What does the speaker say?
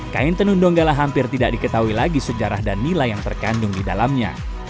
kain tenun donggala hampir tidak diketahui lagi sejarah dan nilai yang terkandung di dalamnya